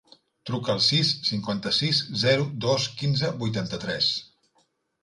Truca al sis, cinquanta-sis, zero, dos, quinze, vuitanta-tres.